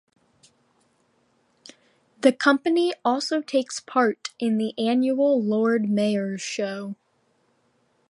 The Company also takes part in the annual Lord Mayor's Show.